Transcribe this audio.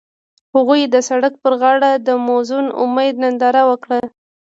هغوی د سړک پر غاړه د موزون امید ننداره وکړه.